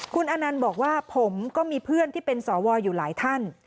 คุณอนันต์บอกว่าผมก็มีเพื่อนที่เป็นสวอยู่หลายท่าน